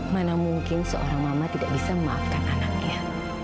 mana mungkin seorang mama tidak bisa memaafkan anaknya